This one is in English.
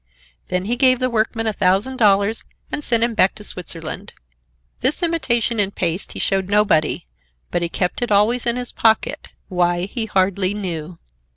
Then he gave the workman a thousand dollars and sent him back to Switzerland. This imitation in paste he showed nobody, but he kept it always in his pocket; why, he hardly knew.